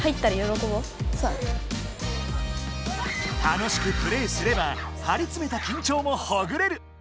楽しくプレーすればはりつめたきんちょうもほぐれる！